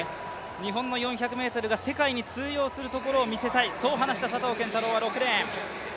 日本の４００ｍが世界に通用するところを見せたいそう話した佐藤拳太郎は６レーン。